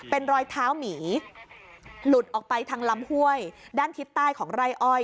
เป็นรอยเท้าหมีหลุดออกไปทางลำห้วยด้านทิศใต้ของไร่อ้อย